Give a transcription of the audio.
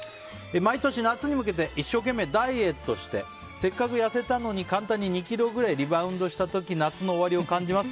毎年夏に向けて一生懸命ダイエットしてせっかく痩せたのに簡単に２ｋｇくらいリバウンドした時夏の終わりを感じます。